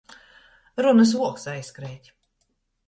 Runys vuoks aizkreit.